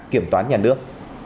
kiểm toán nhà nước